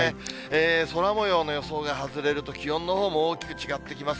空もようの予想が外れると、気温のほうも大きく違ってきます。